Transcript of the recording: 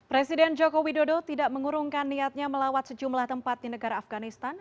presiden joko widodo tidak mengurungkan niatnya melawat sejumlah tempat di negara afganistan